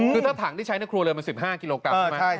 คือถ้าถังที่ใช้ในครัวเรือนมัน๑๕กิโลกรัมใช่ไหม